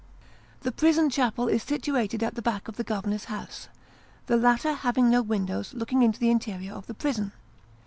The prison chapel is situated at the back of the governor's house : the latter having no windows looking into the interior of the prison.